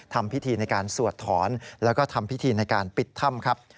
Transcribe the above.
ทำพิธีในการสวดถอนแล้วก็ทำพิธีในการปิดถ้ำครับ